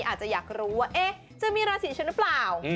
อาจจะอยากรู้ว่าจะมีราศีชุดหรือเปล่า